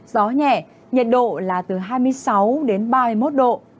gió nhẹ nhiệt độ là từ hai mươi sáu đến ba mươi một độ